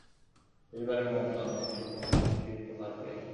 শেষবারের মতো আমাকে তোমার শক্তি দিতে পারবে?